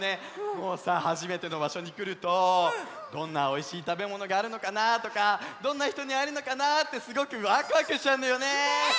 もうさはじめてのばしょにくるとどんなおいしいたべものがあるのかなとかどんなひとにあえるのかなってすごくワクワクしちゃうんだよね！